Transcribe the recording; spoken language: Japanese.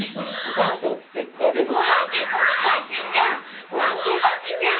箸じゃん！